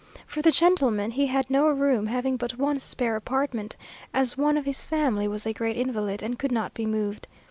For the gentlemen he had no room, having but one spare apartment, as one of his family was a great invalid, and could not be moved.